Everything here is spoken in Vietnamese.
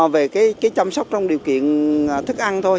về cái chăm sóc trong điều kiện thức ăn thôi